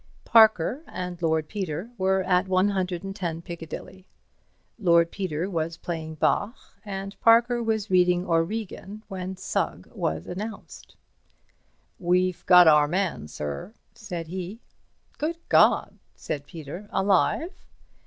Parker and Lord Peter were at 110 Piccadilly. Lord Peter was playing Bach and Parker was reading Origen when Sugg was announced. "We've got our man, sir," said he. "Good God!" said Peter. "Alive?"